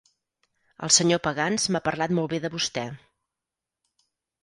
El senyor Pagans m'ha parlat molt bé de vostè.